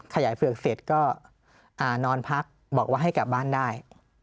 เผือกเสร็จก็นอนพักบอกว่าให้กลับบ้านได้